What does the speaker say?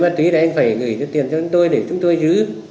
anh phải gửi số tiền cho chúng tôi để chúng tôi giữ